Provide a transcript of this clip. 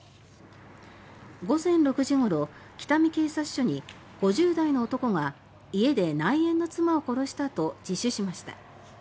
午前６時ごろ北見警察署に５０代の男が「家で内縁の妻を殺した」と自首しました。